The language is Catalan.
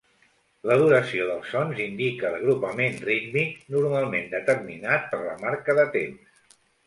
La duració dels sons indica l'agrupament rítmic, normalment determinat per la marca de temps.